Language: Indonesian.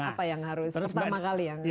apa yang harus pertama kali yang